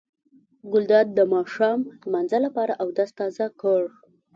ګلداد د ماښام لمانځه لپاره اودس تازه کړ.